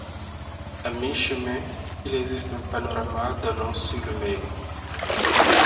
À mi-chemin, il existe un panorama donnant sur le Main.